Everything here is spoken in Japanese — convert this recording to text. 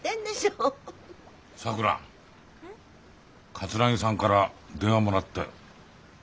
桂木さんから電話もらったよ。